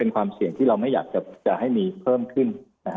ความเสี่ยงที่เราไม่อยากจะให้มีเพิ่มขึ้น